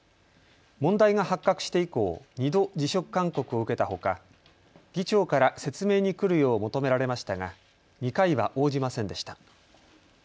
問題が発覚して以降、２度、辞職勧告を受けたほか議長から説明に来るよう求められましたが２回は応じませんでした。